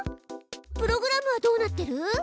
プログラムはどうなってる？